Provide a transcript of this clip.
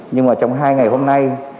nhưng trong hai ngày hôm nay